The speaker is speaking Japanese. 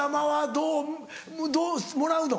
どう？もらうの？